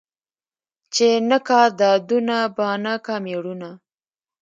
ـ چې نه کا دادونه بانه کا مېړونه.